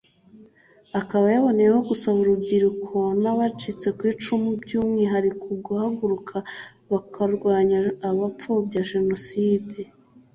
Akaba yaboneyeho gusaba urubyiruko n’abacitse ku icumu by’umwihariko guhaguruka bakarwanya abapfobya Jenoside